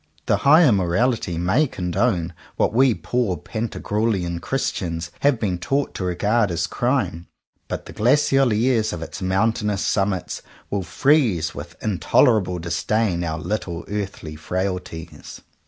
The Higher Morality may condone what we poor Pantag ruelian Christians have been taught to regard as crime; but the glacial airs of its mountainous summits will freeze with in tolerable disdain our little earthy frailties.